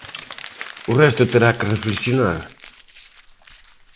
O resto terá que reflexionar.